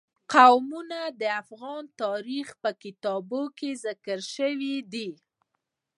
قومونه د افغان تاریخ په کتابونو کې ذکر شوی دي.